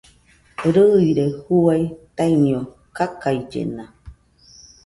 Rɨire juaɨ taiño kakaillena